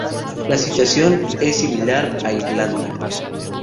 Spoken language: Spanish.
La situación es similar a Irlanda.